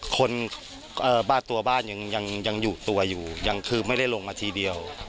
บ้านตัวบ้านยังอยู่ตัวอยู่ยังคือไม่ได้ลงมาทีเดียว